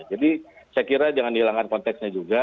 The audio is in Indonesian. jadi saya kira jangan dihilangkan konteksnya juga